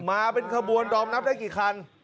มาเป็นขบวนดอมนับได้กี่คัน